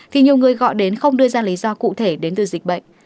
thì nhiều người gọi đến không đưa ra lý do cụ thể đến từ dịch bệnh